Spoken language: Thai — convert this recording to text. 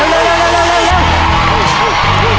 จับเยอะนะ